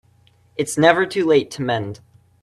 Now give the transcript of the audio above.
It's never too late to mend